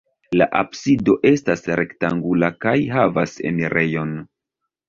La absido estas rektangula kaj havas enirejon.